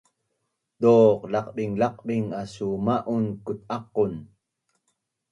Duq laqbinglaqbing asu ma’un kut’aqon?